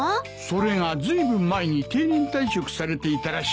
それがずいぶん前に定年退職されていたらしいんだ。